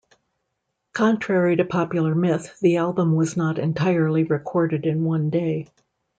Contrary to popular myth, the album was not entirely recorded in one day.